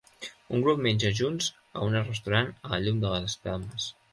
Un grup menja junts a un restaurant a la llum de les espelmes.